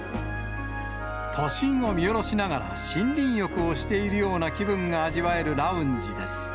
都心を見下ろしながら、森林浴をしているような気分が味わえるラウンジです。